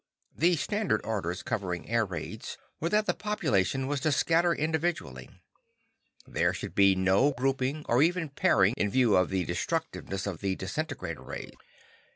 The standard orders covering air raids were that the population was to scatter individually. There should be no grouping, or even pairing, in view of the destructiveness of the disintegrator rays.